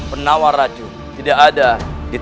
penawar raca tidak ada di tempat ini